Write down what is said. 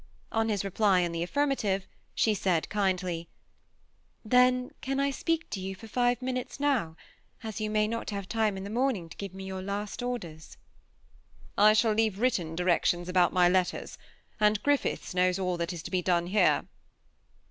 On his reply in the affirm ative, she said kindly, ^ Then can I speak to yon for five minutes now, as yoa may not have time in the HMnming to give me your last orders?" ^ I shall leave writt^i directions about ray letters, and Griffiths knows all that is to be done here."